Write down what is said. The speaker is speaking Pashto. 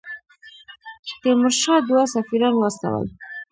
تیمورشاه دوه سفیران واستول.